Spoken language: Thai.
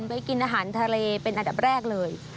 ไปกินอาหารทะเลเป็นอันดับแรกเลย